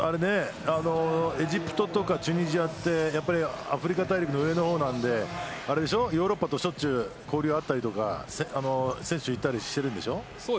エジプトやチュニジアってアフリカ大陸の上の方なのでヨーロッパとしょっちゅう交流があったり選手が行ったりしているんでしょう？